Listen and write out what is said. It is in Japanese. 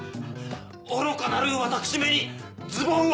愚かなる私めにズボンを！